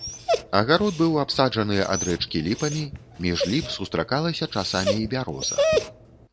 Агарод быў абсаджаны ад рэчкі ліпамі, між ліп сустракалася часамі і бяроза.